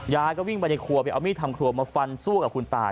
ยายก็วิ่งไปในครัวไปเอามีดทำครัวมาฟันสู้กับคุณตา